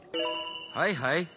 はいはい。